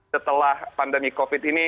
setelah pandemi covid ini